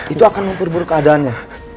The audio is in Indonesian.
itu akan membur buruk keadaannya